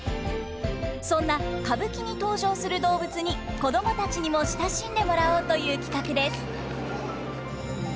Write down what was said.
そんな歌舞伎に登場する動物に子供たちにも親しんでもらおうという企画です。